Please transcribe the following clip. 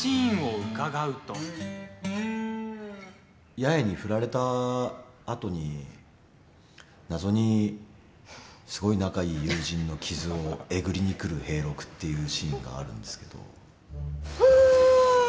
八重に振られたあとに謎に、すごい仲いい友人の傷をえぐりに来る平六っていうシーンがあるんですけど。